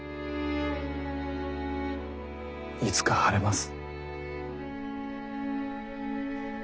いつか晴れます。